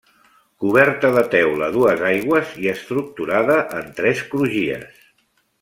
Coberta de teula a dues aigües i estructurada en tres crugies.